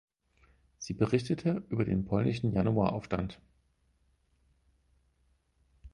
Sie berichtete über den polnischen Januaraufstand.